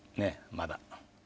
まだ。